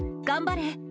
頑張れ！